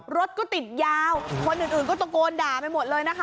รถก็ติดยาวคนอื่นก็ตะโกนด่าไปหมดเลยนะคะ